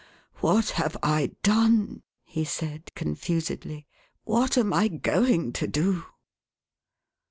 " What have I done !" he said, confusedly. " What am I going to do